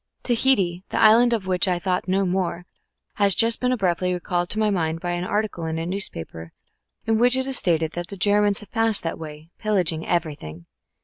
Tahiti, the island of which I had thought no more, has just been abruptly recalled to my mind by an article in a newspaper, in which it is stated that the Germans have passed that way, pillaging everything.